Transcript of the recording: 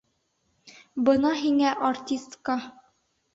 Бына һиңә артистка!